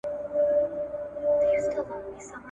تمدنونه بې ریښې معرفي کوي